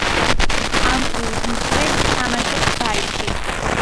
ამპლუით მცველი, თამაშობს ბარიში.